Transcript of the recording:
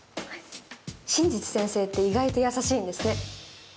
真実先生って意外と優しいんですね。